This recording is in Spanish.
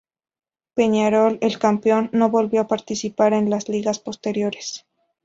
Peñarol, el campeón, no volvió a participar en Ligas posteriores.